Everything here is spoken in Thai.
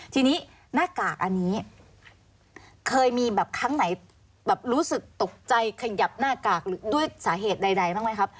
ทีนี้หน้ากากอันนี้เคยมีแบบครั้งไหนแบบรู้สึกตกใจขยับหน้ากากด้วยสาเหตุใดบ้างไหมครับ